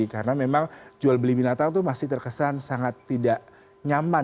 karena memang jual beli binatang itu masih terkesan sangat tidak nyaman